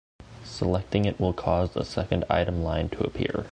Selecting it will cause a second item line to appear.